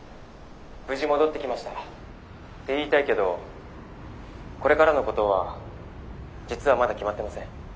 無事戻ってきましたって言いたいけどこれからのことは実はまだ決まってません。